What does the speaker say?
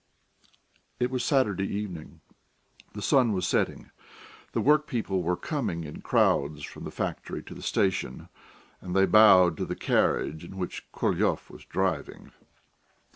It was Saturday evening; the sun was setting, the workpeople were coming in crowds from the factory to the station, and they bowed to the carriage in which Korolyov was driving.